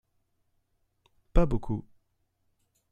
Pas beaucoup.